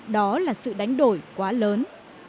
đó là sự đánh đổi của trường